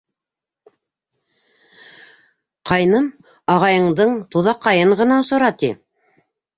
Ҡайным ағайыңдың туҙаҡайын ғына осора, ти.